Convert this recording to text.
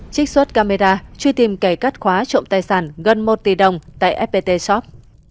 trích xuất camera truy tìm kẻ cắt khóa trộm tài sản gần một tỷ đồng tại fpt shop